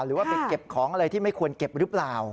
หรือว่าไปเก็บของอะไรที่ไม่ควรเก็บหรือเปล่า